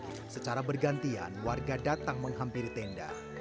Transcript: sejak pukul delapan pagi secara bergantian warga datang menghampiri tenda